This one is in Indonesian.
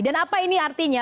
dan apa ini artinya